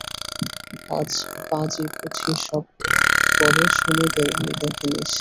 আজ পাঁজি-পুঁথি সব পড়ে শুনে দেখে নিস।